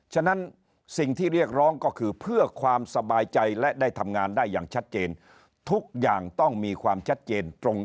ทางสื่อเองก็ระแวง